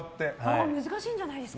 難しいんじゃないですか。